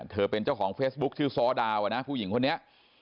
เป็นเจ้าของเฟซบุ๊คชื่อซ้อดาวนะผู้หญิงคนนี้